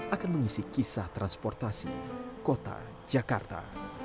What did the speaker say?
akan mengisi kisah transportasi kota jakarta